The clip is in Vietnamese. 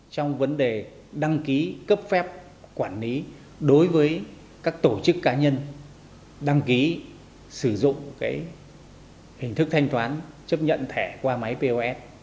trong vấn đề đăng ký cấp phép quản lý đối với các tổ chức cá nhân đăng ký sử dụng hình thức thanh toán chấp nhận thẻ qua máy pos